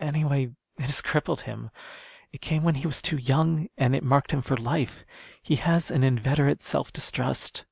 Anyway, it has crippled him. It came when he was too young, and it marked him for life. He has an inveterate self distrust."